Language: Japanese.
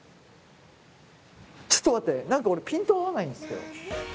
ちょっと待って何か俺ピント合わないんですけど。